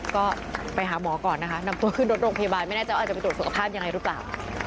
ก็ไปหาหมอก่อนนะคะนำตัวขึ้นรถโรงพยาบาลไม่แน่ใจว่าอาจจะไปตรวจสุขภาพยังไงหรือเปล่า